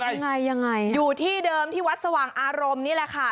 ยังไงยังไงอยู่ที่เดิมที่วัดสว่างอารมณ์นี่แหละค่ะ